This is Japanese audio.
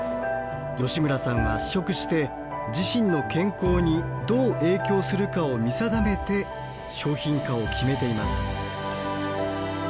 吉村さんは試食して自身の健康にどう影響するかを見定めて商品化を決めています。